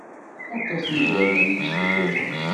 Aṭas n iberdan i yessuffuɣen.